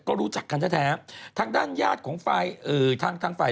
ก็รู้จักกันแท้แท้ทั้งด้านญาติของฝ่ายอืมทั้งทางฝ่าย